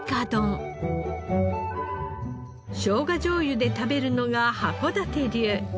しょうが醤油で食べるのが函館流。